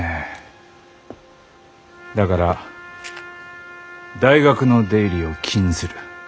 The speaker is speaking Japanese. だから大学の出入りを禁ずる。